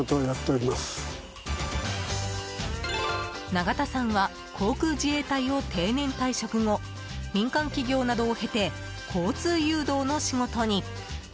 永田さんは航空自衛隊を定年退職後民間企業などを経て交通誘導の仕事に。